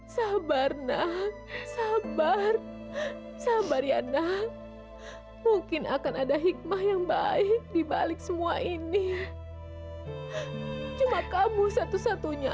sampai jumpa di video selanjutnya